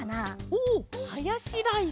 おおハヤシライス！